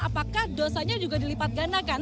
apakah dosanya juga dilipat gandakan